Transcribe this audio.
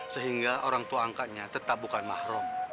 sehingga orang tua angkatnya tetap bukan mahrum